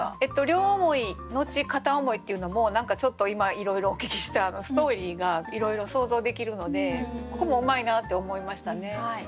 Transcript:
「両思い、のち片思い」っていうのも何かちょっと今いろいろお聞きしたストーリーがいろいろ想像できるのでここもうまいなって思いましたね。